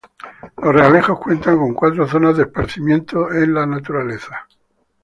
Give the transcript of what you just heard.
Los Realejos cuenta con cuatro zonas de esparcimiento en la naturaleza.